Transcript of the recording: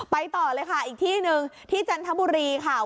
ต่อเลยค่ะอีกที่หนึ่งที่จันทบุรีค่ะ